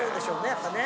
やっぱね。